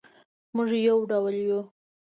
مونږ یو ډول یو